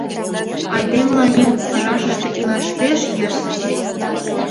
Айдемылан еҥ пыжашыште илаш пеш йӧсӧ.